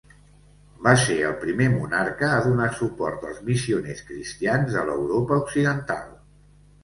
Va ser el primer monarca a donar suport als missioners cristians de l'Europa occidental.